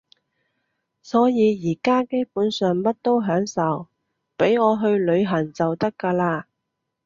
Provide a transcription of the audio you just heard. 所以而家基本上乜都享受，畀我去旅行就得㗎喇